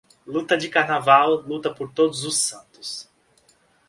Luta de Carnaval, Luta por Todos os Santos.